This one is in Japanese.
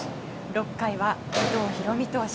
６回は伊藤大海投手